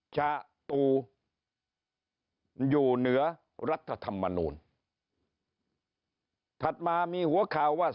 ชาตูอยู่เหนือรัฐธรรมนูลถัดมามีหัวข่าวว่า